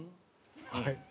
はい？